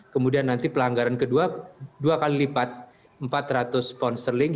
kemudian nanti pelanggaran kedua dua kali lipat empat ratus pound sterling